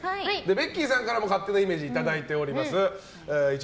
ベッキーさんからも勝手なイメージをいただいております。